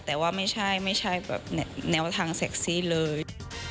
แต่ว่าไม่ใช่ไม่ใช่แบบแนวทางเซ็กซี่เลย